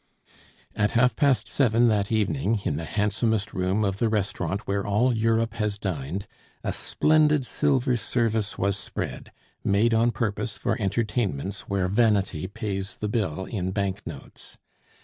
At half past seven that evening, in the handsomest room of the restaurant where all Europe has dined, a splendid silver service was spread, made on purpose for entertainments where vanity pays the bill in bank notes.